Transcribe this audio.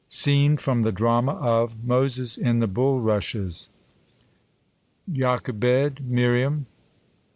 Scene from the Drama of " Moses in the Bulrushes." JocHEBED, Miriam.